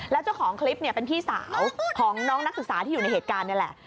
แล้วเจ้าของคลิปเนี่ยเป็นพี่สาวของน้องนักศึกษาที่อยู่ในเหตุการณ์นี่แหละ